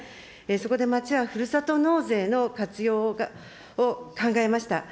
そこで町はふるさと納税の活用を考えました。